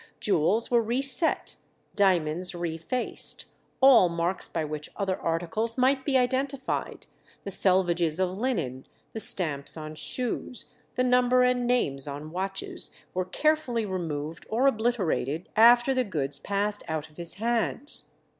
Jewels were re set, diamonds re faced; all marks by which other articles might be identified, the selvages of linen, the stamps on shoes, the number and names on watches, were carefully removed or obliterated after the goods passed out of his hands.